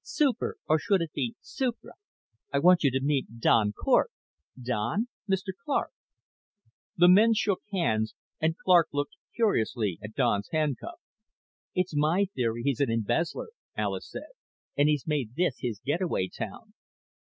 "Super. Or should it be supra? I want you to meet Don Cort. Don, Mr. Clark." The men shook hands and Clark looked curiously at Don's handcuff. "It's my theory he's an embezzler," Alis said, "and he's made this his getaway town."